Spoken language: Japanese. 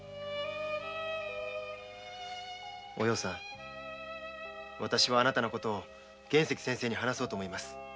お葉さんわたしはあなたのことを玄石先生に話そうと思います。